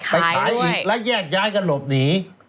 ไปขายอีกแล้วแยกย้ายกันหลบหนี